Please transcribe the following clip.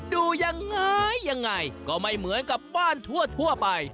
ดูยังไงยังไงก็ไม่เหมือนกับบ้านทั่วไป